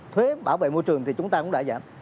thuế bảo vệ môi trường thì chúng ta cũng đã giảm